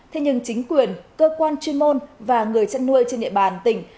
thế nhưng chính quyền cơ quan chuyên môn và người chăn nuôi trên địa bàn tỉnh